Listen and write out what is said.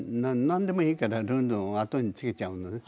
何でもいいからルンルンをあとにつけちゃうのね。